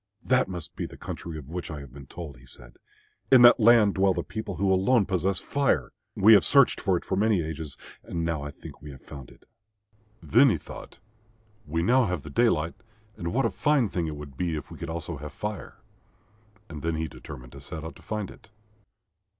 "That must be the country of which I have been told," he said. "In that land dwell the people who alone possess Fire. We have searched for it for many ages and now I think we have found it." Then he thought, "We now have the daylight, and what a fine thing it would be if we could also have Fire," and he determined to set out to find it.